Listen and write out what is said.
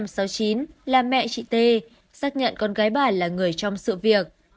tuy nhiên cô gái này đã xác nhận con gái bà là người trong sự việc